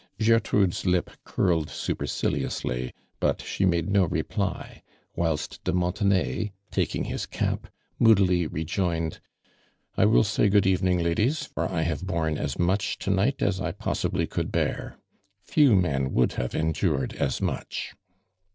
'' (iertrude's lip curled superciliously, but she made no reply, whilst di'! Montonny, taking his cai», moo<lily rejoined : "1 will say good evening, ladies, for I have borne as much to night as I possibly could boar. Kew men would have endured as much!"